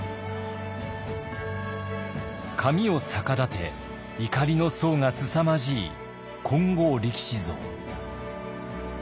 髪を逆立て怒りの相がすさまじい金剛力士像。